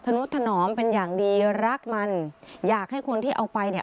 นุษนอมเป็นอย่างดีรักมันอยากให้คนที่เอาไปเนี่ย